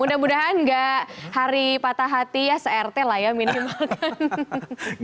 mudah mudahan gak hari patah hati ya sert lah ya minimal kan